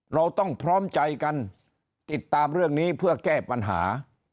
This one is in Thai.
เราต้องพร้อมใจกันติดตามเรื่องนี้เพื่อแก้ปัญหา